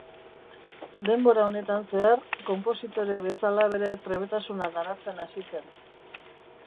Denbora honetan zehar konpositore bezala bere trebetasuna garatzen hasi zen.